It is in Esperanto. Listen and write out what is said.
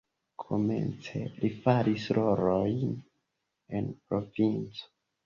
Komence li faris rolojn en provinco.